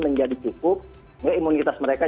menjadi cukup ya imunitas mereka